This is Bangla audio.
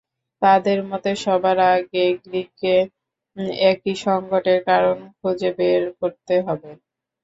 তাঁদের মতে, সবার আগে গ্রিসকে একই সংকটের কারণ খুঁজে বের করতে হবে।